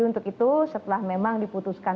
untuk itu setelah memang diputuskan